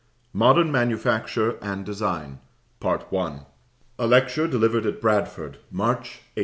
MODERN MANUFACTURE AND DESIGN. A Lecture delivered at Bradford, March, 1859.